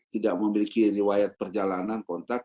tidak memiliki riwayat perjalanan kontak